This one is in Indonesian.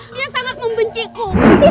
dia sangat membenciku